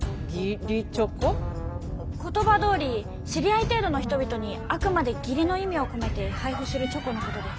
言葉どおり知り合い程度の人々にあくまで義理の意味を込めて配布するチョコのことです。